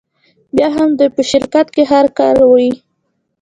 بیا هم دوی په شرکت کې هر کاره وي